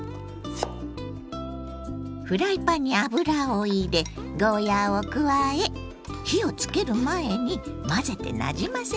フライパンに油を入れゴーヤーを加え火をつける前に混ぜてなじませます。